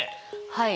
はい。